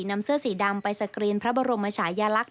นำเสื้อสีดำไปสกรีนพระบรมชายลักษณ